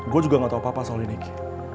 gue juga gak tau apa apa soal ini ki